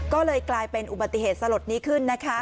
ก็เลยกลายเป็นอุบัติเหตุสลดนี้ขึ้นนะคะ